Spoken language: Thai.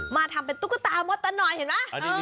มาทำตุ๊กตามอตนัอยเห็นป่ะ